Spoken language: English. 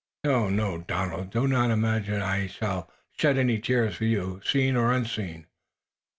"No, no, Donald! Do not imagine that I shall shed any tears for you, seen or unseen.